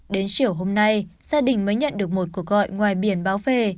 đến chiều hôm nay gia đình mới nhận được một cuộc gọi ngoài biển báo về